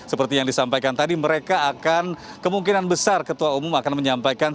seperti yang disampaikan tadi mereka akan kemungkinan besar ketua umum akan menyampaikan